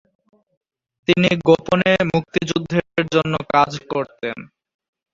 তিনি গোপনে মুক্তিযুদ্ধের জন্য কাজ করতেন।